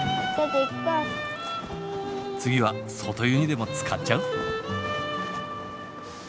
次は外湯にでもつかっちゃう？